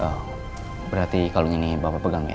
oh berarti kalung ini bapak pegang ya